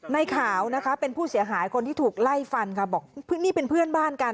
ในขาวนะคะเป็นผู้เสียหายคนที่ถูกไล่ฟันค่ะบอกนี่เป็นเพื่อนบ้านกัน